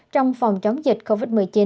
trong phòng chống dịch covid một mươi chín